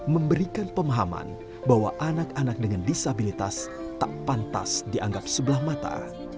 memberikan pemahaman bahwa anak anak dengan disabilitas tak pantas dianggap sebelah mata